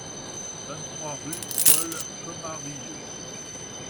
vingt-trois rue Paul Commarieu